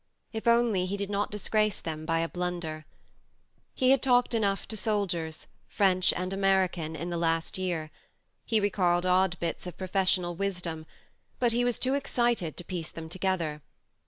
If only he did not disgrace them by a blunder ! He had talked enough to soldiers, French and American, in the last year : he recalled odd bits of professional wisdom, but he was too excited to piece them together.